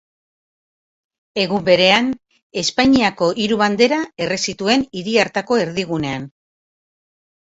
Egun berean, Espainiako hiru bandera erre zituen hiri hartako erdigunean.